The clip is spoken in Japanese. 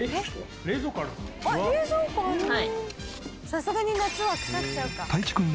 「さすがに夏は腐っちゃうか」